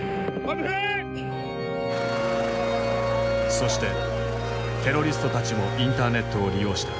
そしてテロリストたちもインターネットを利用した。